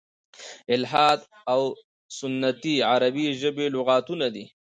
"الحاد او سنتي" عربي ژبي لغتونه دي.